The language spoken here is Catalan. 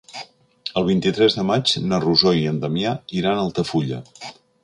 El vint-i-tres de maig na Rosó i en Damià iran a Altafulla.